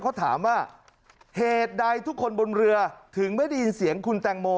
เขาถามว่าเหตุใดทุกคนบนเรือถึงไม่ได้ยินเสียงคุณแตงโม